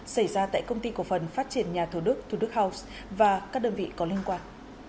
xảy ra tại công ty cổ phần phát triển nhà thủ đức thủ đức house và các đơn vị có liên quan